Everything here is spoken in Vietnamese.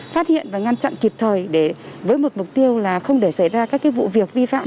phát hiện và ngăn chặn kịp thời với một mục tiêu là không để xảy ra các vụ việc vi phạm